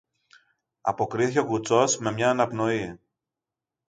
αποκρίθηκε ο κουτσός με μιαν αναπνοή.